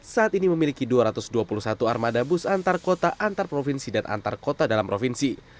saat ini memiliki dua ratus dua puluh satu armada bus antar kota antar provinsi dan antar kota dalam provinsi